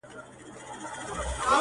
• گلي.